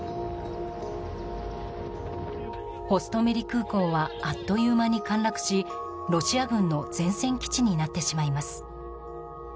ホストメリ空港はあっという間に陥落しロシア軍の前線基地になってしまいます。